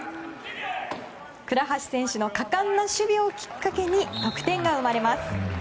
倉橋選手の果敢な守備をきっかけに得点が生まれます。